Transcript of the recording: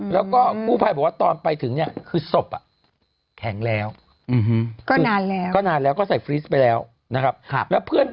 แล้วก็กู้ภัยบอกว่าตอนไปถึงเนี่ยคือศพแข็งแล้วก็นานแล้วก็นานแล้วก็ใส่ฟรีสไปแล้วนะครับ